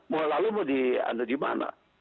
mau lalu mau di mana